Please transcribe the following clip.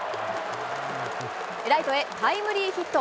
ライトへタイムリーヒット。